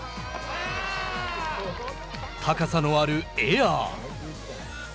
高さのあるエア！